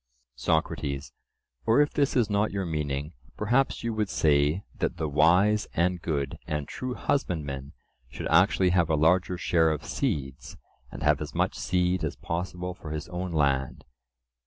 SOCRATES: Or, if this is not your meaning, perhaps you would say that the wise and good and true husbandman should actually have a larger share of seeds, and have as much seed as possible for his own land?